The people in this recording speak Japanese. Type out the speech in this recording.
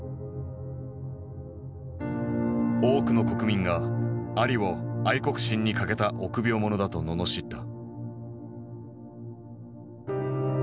多くの国民がアリを愛国心に欠けた臆病者だと罵った。